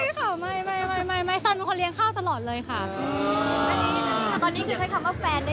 ตอนนี้คือใช้คำว่าแฟนได้เลยใช่ไหม